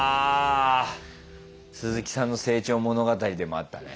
すずきさんの成長物語でもあったね。